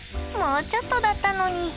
もうちょっとだったのに。